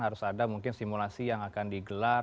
harus ada mungkin simulasi yang akan digelar